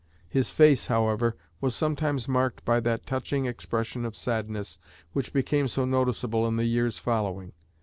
His face, however, was sometimes marked by that touching expression of sadness which became so noticeable in the years following.